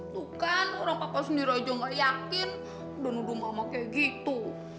tuh kan orang papa sendiri aja gak yakin udah nuduh mama kayak gitu